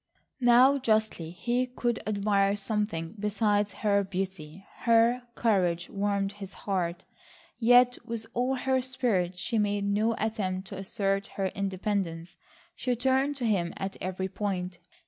Now justly he could admire something besides her beauty. Her courage warmed his heart. Yet with all her spirit she made no attempt to assert her independence. She turned to him at every point.